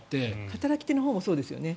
働き手のほうもそうですよね。